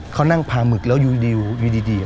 เขานั่งปลาหมึกแล้วอยู่ดี